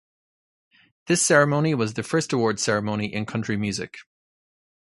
This ceremony was the first awards ceremony in country music.